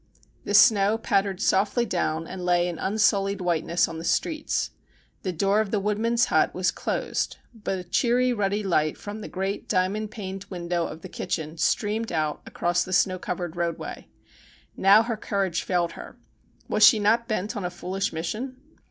The snow pattered softly down, and lay in unsullied whiteness on the streets. The door of the Woodman's Hut was closed, but a cheery, ruddy light from the great, diamond paned window of the kitchen streamed out across the snow covered roadway. Now her courage failed her. Was she not bent on a foolish mission